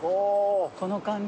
この感じ。